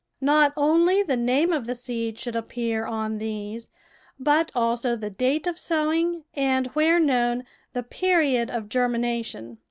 Not only the name of the seed should appear on these, but also the date of sowing and, where known, the period of germination.